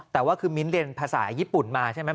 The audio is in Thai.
แต่ว่าคือมิ้นท์เรียนภาษาญี่ปุ่นมาใช่ไหม